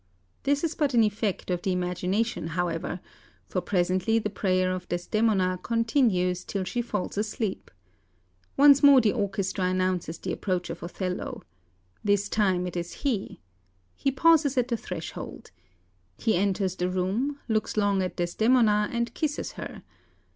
This is but an effect of the imagination, however, for presently the prayer of Desdemona continues till she falls asleep. Once more the orchestra announces the approach of Othello. This time it is he. He pauses at the threshold. He enters the room, looks long at Desdemona, and kisses her.